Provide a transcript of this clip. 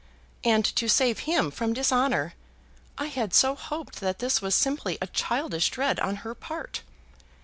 "And to save him from dishonour. I had so hoped that this was simply a childish dread on her part."